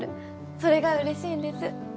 それがうれしいんです。